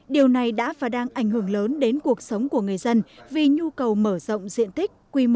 điều này đã và đang ảnh hưởng lớn đến cuộc sống của người dân vì nhu cầu mở rộng diện tích